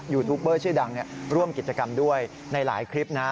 ยูทูปเบอร์ชื่อดังร่วมกิจกรรมด้วยในหลายคลิปนะ